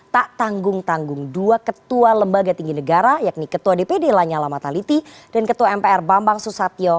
tak tanggung tanggung dua ketua lembaga tinggi negara yakni ketua dpd lanyala mataliti dan ketua mpr bambang susatyo